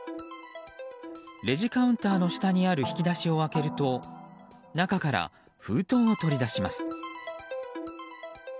レジカウンターの下にある引き出しを開けると中から封筒を取り出します。